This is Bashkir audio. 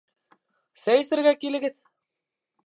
Сәй эсергә килегеҙ